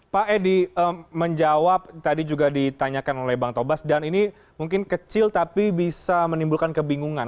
pak edi menjawab tadi juga ditanyakan oleh bang tobas dan ini mungkin kecil tapi bisa menimbulkan kebingungan